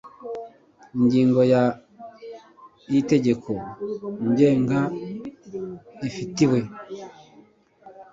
ingingo ya y itegeko ngengarifitiwe